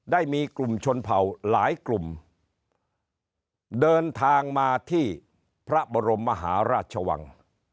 ได้มีกลุ่มชนเผ่าหลายกลุ่มเดินทางมาที่พระบรมมหาราชวัง